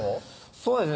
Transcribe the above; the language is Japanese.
そうですね